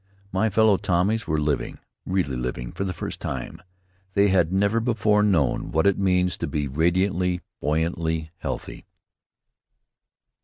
My fellow Tommies were living, really living, for the first time. They had never before known what it means to be radiantly, buoyantly healthy.